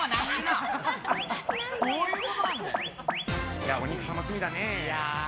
いや、お肉楽しみだね。